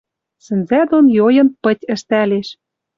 Сӹнзӓ дон йойын пыть ӹштӓлеш.